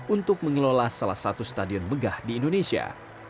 untuk mengelola salah satu stadion megah di indonesia